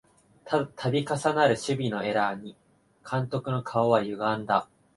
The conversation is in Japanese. たび重なる守備のエラーに監督の顔はゆがんだ